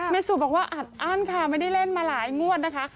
สุบอกว่าอัดอั้นค่ะไม่ได้เล่นมาหลายงวดนะคะ